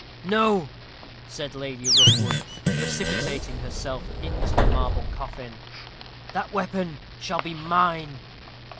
"No," said Lady Rookwood, precipitating herself into the marble coffin. "That weapon shall be mine."